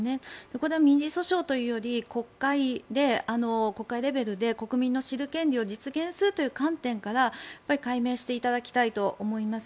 これは民事訴訟というより国会レベルで国民の知る権利を実現するという観点から解明していただきたいと思います。